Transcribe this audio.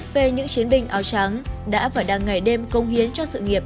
về những chiến binh áo trắng đã và đang ngày đêm công hiến cho sự nghiệp